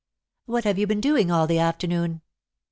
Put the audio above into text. "What have you been doing all the afternoon?"